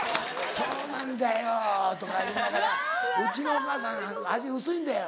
「そうなんだよ」とか言いながら「うちのお母さん味薄いんだよ」。